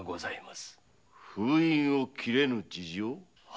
封印を切れぬ事情？